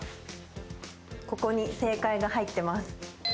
ここに正解が入ってます。